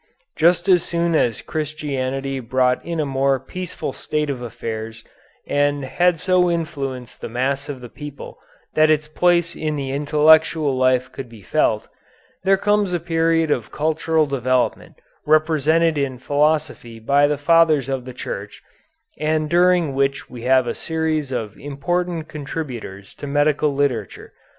Just as soon as Christianity brought in a more peaceful state of affairs and had so influenced the mass of the people that its place in the intellectual life could be felt, there comes a period of cultural development represented in philosophy by the Fathers of the Church, and during which we have a series of important contributors to medical literature.